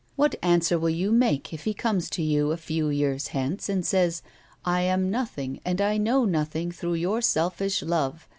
" What answer will you make if he comes to you a few years hence, and says :' I am nothing, and I know nothing through your selfish love.